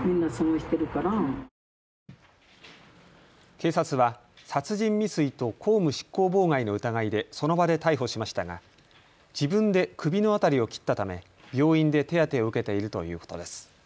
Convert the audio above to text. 警察は殺人未遂と公務執行妨害の疑いでその場で逮捕しましたが自分で首の辺りを切ったため、病院で手当てを受けているということです。